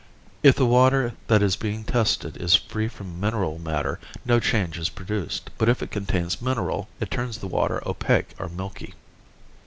If the water that is being tested is free from mineral matter no change is produced, but if it contains mineral it turns the water opaque or milky.